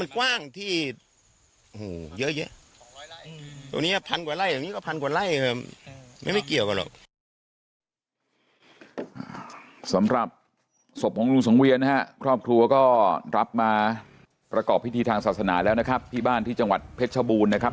คิดว่าไม่น่าจะเป็นการเลี้ยงพื้นที่เลี้ยงวัวหรอก